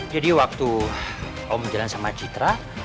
jadi waktu om jalan sama citra